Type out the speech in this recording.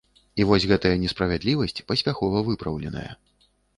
І вось гэтая несправядлівасць паспяхова выпраўленая.